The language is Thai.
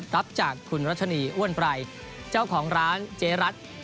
รับจากคุณรัชนีอ้วนไพรเจ้าของร้านเจ๊รัฐ